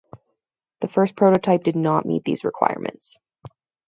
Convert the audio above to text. The first prototype did not meet these requirements.